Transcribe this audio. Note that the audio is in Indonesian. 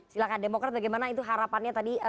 silahkan demokrat bagaimana itu harapannya tadi